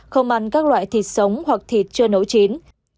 không ăn các loại thịt sống hoặc thịt chưa nấu chín